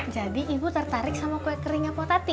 jadi ibu tertarik sama kue keringnya potati